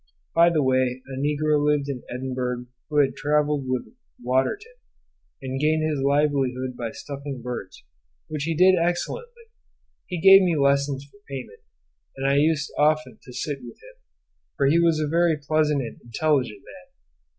By the way, a negro lived in Edinburgh, who had travelled with Waterton, and gained his livelihood by stuffing birds, which he did excellently: he gave me lessons for payment, and I used often to sit with him, for he was a very pleasant and intelligent man.